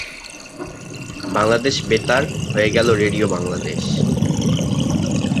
বাংলাদেশ বেতার হয়ে গেল রেডিও বাংলাদেশ।